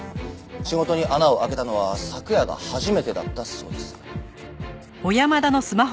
仕事に穴を開けたのは昨夜が初めてだったそうです。